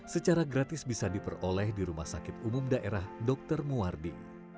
secara gratis bisa diperoleh di rumah sakit umum daerah dr muwardi